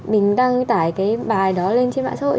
mình đăng tải cái bài đó lên trên mạng xã hội